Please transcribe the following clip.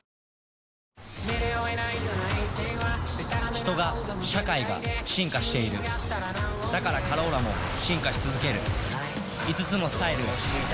人が社会が進化しているだから「カローラ」も進化し続ける５つのスタイルへ「カローラ」シリーズ